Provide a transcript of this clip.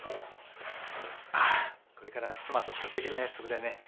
あっこれから妻と食事の約束でね。